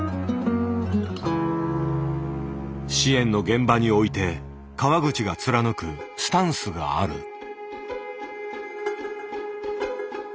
支援の現場において川口が貫くスタンスがある。